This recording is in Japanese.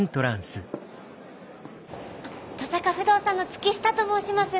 登坂不動産の月下と申します！